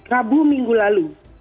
rabu minggu lalu